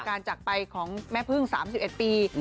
การจักรไปของแม่เพิ่ง๓๑ปี